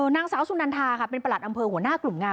นางสาวสุนันทาค่ะเป็นประหลัดอำเภอหัวหน้ากลุ่มงาม